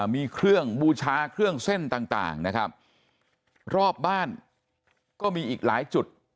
มีเครื่องบูชาเครื่องเส้นต่างต่างนะครับรอบบ้านก็มีอีกหลายจุด